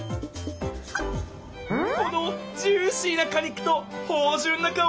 このジューシーなか肉とほうじゅんなかおり